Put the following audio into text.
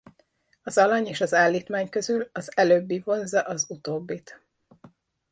Az alany és az állítmány közül az előbbi vonzza az utóbbit.